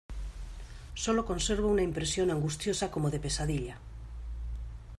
sólo conservo una impresión angustiosa como de pesadilla.